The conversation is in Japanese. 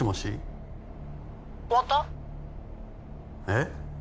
えっ？